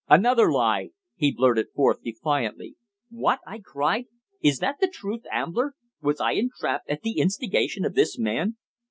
"Another lie!" he blurted forth defiantly. "What?" I cried. "Is that the truth, Ambler? Was I entrapped at the instigation of this man?"